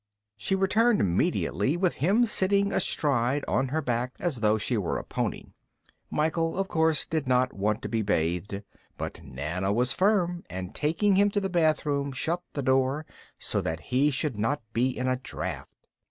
She returned immediately with him sitting astride on her back as though she were a pony. Michael, of course, did not want to be bathed, but Nana was firm and, taking him to the bathroom, shut the door so that he should not be in a draught.